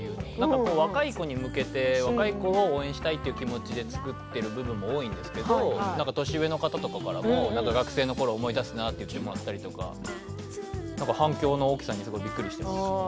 若い子に向けて若い子を応援したいという気持ちで作っているところが多いんですが年上の方が学生のころを思い出すと言ってくださったり反響の大きさにびっくりしています。